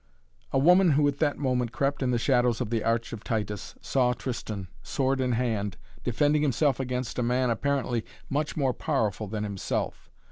A woman who at that moment crept in the shadows of the Arch of Titus saw Tristan, sword in hand, defending himself against a man apparently much more powerful than himself.